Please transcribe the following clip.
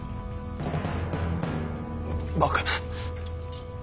バカな。